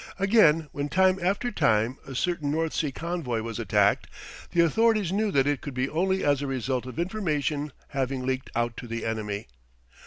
Again when time after time a certain North Sea convoy was attacked, the Authorities knew that it could be only as a result of information having leaked out to the enemy.